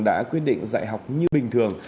đã quyết định dạy học như bình thường